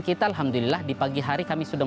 kita alhamdulillah di pagi hari kami sudah